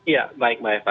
ya baik mbak hefa